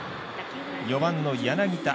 ４番の柳田。